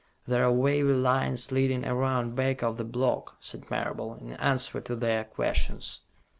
"There are wavy lines leading around back of the block," said Marable, in answer to their questions.